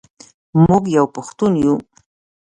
موږ یو پښتون یو.